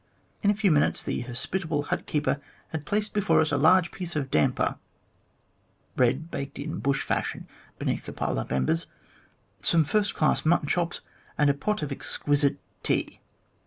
In a few minutes the hospitable hut keeper had placed before us a large piece of damper (bread baked in bush fashion beneath the piled up embers), some first class mutton chops, and a pot of exquisite tea.